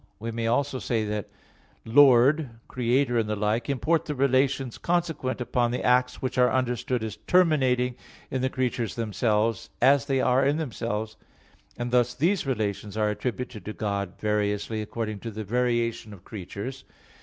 We may also say that "Lord", "Creator" and the like, import the relations consequent upon the acts which are understood as terminating in the creatures themselves, as they are in themselves; and thus these relations are attributed to God variously, according to the variation of creatures.